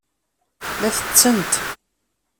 La tettent.